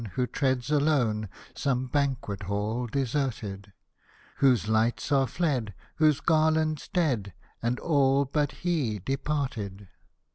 Who treads alone Some banquet hall deserted, Whose lights are fled. Whose garlands dead, And all but he departed